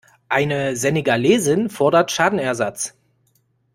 Eine Senegalesin fordert Schadenersatz.